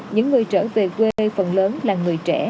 những người trở về quê phần lớn là người trẻ